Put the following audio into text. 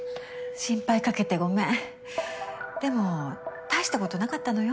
心配かけてごめんでも大したことなかったのよ。